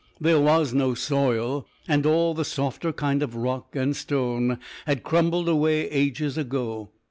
There was no soil, and all the softer kind of rock and stone had crumbled away ages ago.